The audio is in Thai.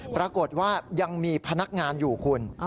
ปรากฏว่ายังมีพนักงานอยู่คุณ